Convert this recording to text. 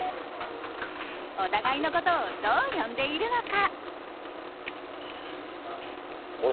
お互いのことをどう呼んでいるのか？